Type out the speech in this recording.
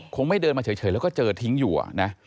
ไม่เดินมาเฉยแล้วก็เจอทิ้งอยู่นะ